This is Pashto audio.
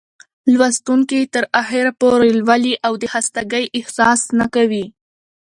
لوستونکى يې تر اخره پورې لولي او د خستګۍ احساس نه کوي.